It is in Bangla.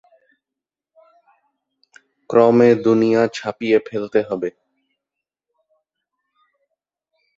ক্রমে দুনিয়া ছাপিয়ে ফেলতে হবে।